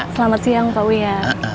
selamat siang pak wia